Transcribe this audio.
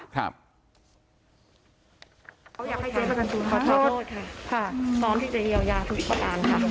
อยากขอโทษค่ะพร้อมที่จะเยียวยาทุกประการค่ะ